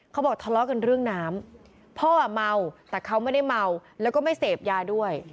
เขาบอกทะเลาะกันเรื่องน้ำพ่ออ่ะเมาแต่เขาไม่ได้เมาแล้วก็ไม่เสพยาด้วย